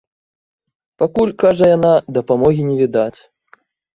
Пакуль, кажа яна, дапамогі не відаць.